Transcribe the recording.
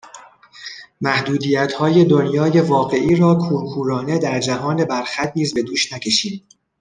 محدودیتهای دنیای واقعی را کورکورانه در جهان برخط نیز به دوش نکشیم